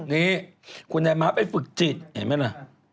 นี่คุณนายม้าไปฝึกจิตเห็นไหมล่ะ